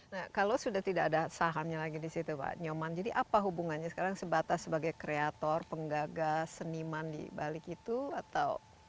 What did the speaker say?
nah kalau sudah tidak ada sahamnya lagi di situ pak nyoman jadi apa hubungannya sekarang sebatas sebagai kreator penggaga seniman di balik itu atau